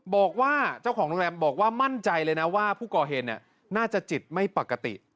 บอกว่ามั่นใจเลยนะว่าผู้กอเหนเนี่ยน่าจะจิตไม่ปกติ